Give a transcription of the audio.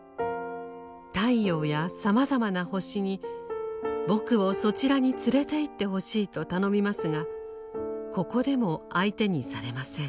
太陽やさまざまな星に「僕をそちらに連れて行ってほしい」と頼みますがここでも相手にされません。